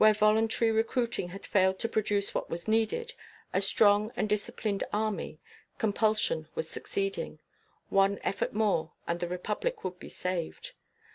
Where voluntary recruiting had failed to produce what was needed, a strong and disciplined army, compulsion was succeeding. One effort more, and the Republic would be saved.